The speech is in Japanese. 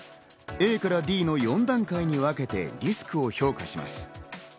ＡからＤの４段階に分けてリスクを評価します。